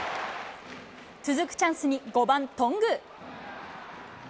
続くチャンスに５番頓宮。